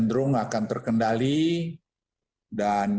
bebasi batu ratan frederic rommel bah sinon